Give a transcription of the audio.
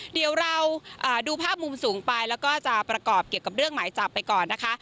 เดี๋ยวเราดูภาพมุมสูงไปแล้วก็จะประกอบเกี่ยวกับเรื่องหมายจับไปก่อนนะคะ